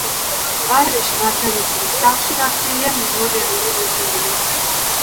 ყვარელში, მარჯანიშვილის სახლში გახსნილია მემორიალური მუზეუმი.